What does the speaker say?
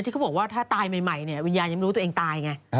ที่เขาบอกว่าถ้าตายใหม่นี่วิญญาณยังไม่รู้ว่าตัวเองตายไง